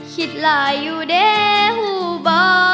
หลายอยู่เด้หูบ่